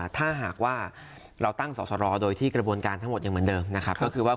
ถ้าหากว่าเราตั้งสอดร้อยโดยที่กระบวนการทั้งหมดอย่างเหมือนเดิม